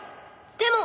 でも。